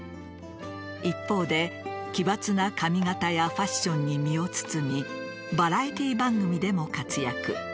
一方で奇抜な髪形やファッションに身を包みバラエティー番組でも活躍。